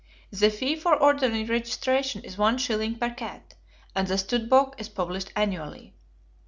The fee for ordinary registration is one shilling per cat, and the stud book is published annually.